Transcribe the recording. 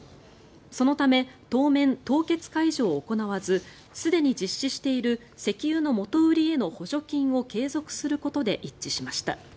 そのため当面、凍結解除を行わずすでに実施している石油の元売りへの補助金を継続することで一致しました。